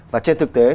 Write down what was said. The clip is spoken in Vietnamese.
và trên thực tế